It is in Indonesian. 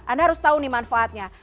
anda harus tahu nih manfaatnya